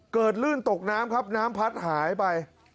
ลื่นตกน้ำครับน้ำพัดหายไป